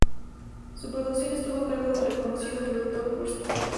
Su producción estuvo a cargo del reconocido productor Kurstin.